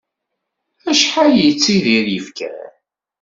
Acḥal i yettidir yifker?